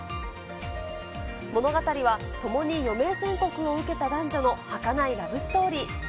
物語は、共に余命宣告を受けた男女のはかないラブストーリー。